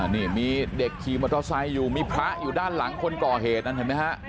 นี่มีเด็กขี่มอเตอร์ไซค์อยู่มีพระอยู่ด้านหลังคนก่อเหตุนั้นเห็นไหมฮะ